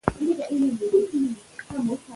پوهېدل د خلکو ترمنځ د هدفونو یووالی رامینځته کوي.